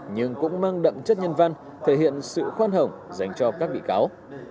nhưng cũng mang đậm chất nhân văn thể hiện sự khoan hồng dành cho các bị cáo